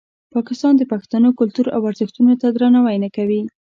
پاکستان د پښتنو کلتور او ارزښتونو ته درناوی نه کوي.